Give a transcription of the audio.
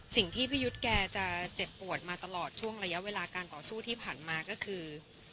สิ่งที่พี่ยุทธ์แกจะเจ็บปวดมาตลอดช่วงระยะเวลาการต่อสู้ที่ผ่านมาก็คือ